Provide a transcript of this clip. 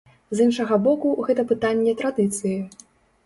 З іншага боку, гэта пытанне традыцыі.